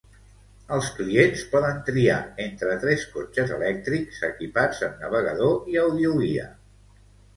Els clients poden triar entre tres cotxes elèctrics equipats amb navegador i audioguia.